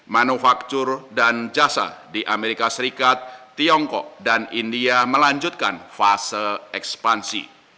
manufaktur dan jasa di amerika serikat tiongkok dan india melanjutkan fase ekspansi